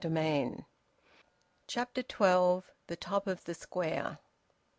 VOLUME TWO, CHAPTER TWELVE. THE TOP OF THE SQUARE.